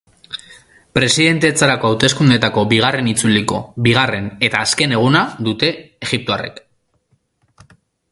Presidentetzarako hauteskundeetako bigarren itzuliko bigarren eta azken eguna dute egiptoarrek.